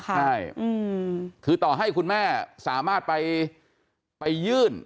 ใช่คือต่อให้คุณแม่สามารถไปยื่น